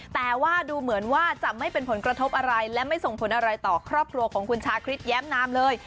แต่ว่าดูเหมือนว่าจะไม่เป็นผลกระทบอะไรและไม่ส่งผลอะไรต่อครอบครัวของคุณชาคริสแย้มนามเลย